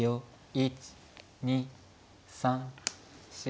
１２３４。